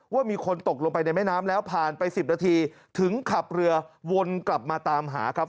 ว่ามีคนตกลงไปในแม่น้ำแล้วผ่านไป๑๐นาทีถึงขับเรือวนกลับมาตามหาครับ